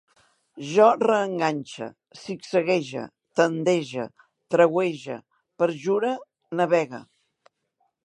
Jo reenganxe, zigzaguege, tandege, trauege, perjure, navegue